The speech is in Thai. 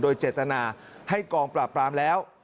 โดยเจตนาให้กองปราบปรามแล้ว